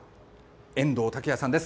遠藤拓耶さんです。